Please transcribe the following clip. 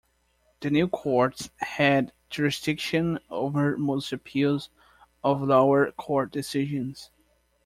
The new courts had jurisdiction over most appeals of lower court decisions.